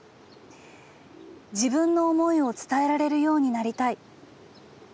「自分の思いを伝えられるようになりたい。